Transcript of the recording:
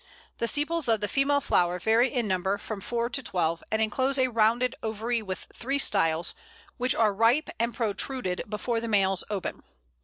The sepals of the female flower vary in number, from four to twelve, and enclose a rounded ovary with three styles, which are ripe and protruded before the males open.